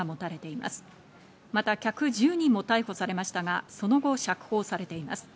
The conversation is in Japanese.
また客１０人も逮捕されましたが、その後、釈放されています。